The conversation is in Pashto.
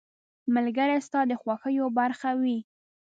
• ملګری ستا د خوښیو برخه وي.